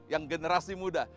yang generasi muda